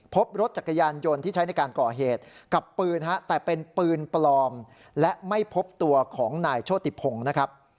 พบรถจักรยานยนต์ที่ใช้ในการก่อเหตุกับปืนฮะแต่เป็นปืนปลอมและไม่พบตัวของนายโชติพงศ์นะครับ